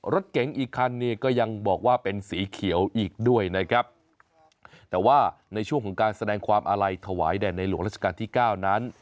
รถเก๋งอีกคันเนี่ยก็ยังบอกว่าเป็นสีเขียวอีกด้วยนะครับแต่ว่าในช่วงของการแสดงความอาลัยถวายแด่ในหลวงราชการที่เก้านั้น